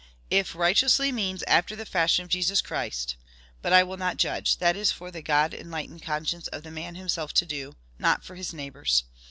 "If RIGHTEOUSLY means AFTER THE FASHION OF JESUS CHRIST. But I will not judge: that is for the God enlightened conscience of the man himself to do not for his neighbour's.